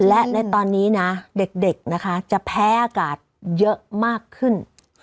และในตอนนี้นะเด็กนะคะจะแพ้อากาศเยอะมากขึ้น